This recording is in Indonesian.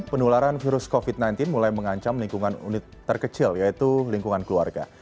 penularan virus covid sembilan belas mulai mengancam lingkungan unit terkecil yaitu lingkungan keluarga